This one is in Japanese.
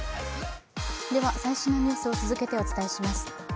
最新のニュースを続けてお伝えします。